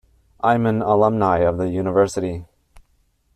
I'm an Alumni of the University.